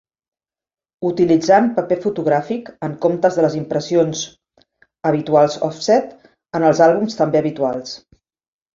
Utilitzant paper fotogràfic, en comptes de les impressions habituals òfset, en els àlbums també habituals.